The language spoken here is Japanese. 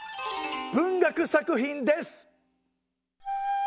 文学作品です！